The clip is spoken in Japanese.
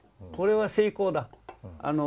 これは成功だ。